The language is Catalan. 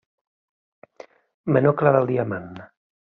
Menor que la del diamant.